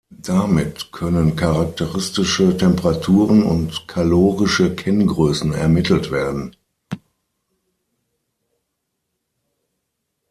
Damit können charakteristische Temperaturen und kalorische Kenngrößen ermittelt werden.